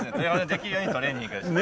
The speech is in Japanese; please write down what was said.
できるようにトレーニングをして。